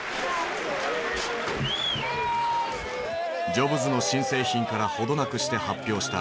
ジョブズの新製品から程なくして発表した